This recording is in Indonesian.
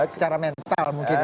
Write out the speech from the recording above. secara mental mungkin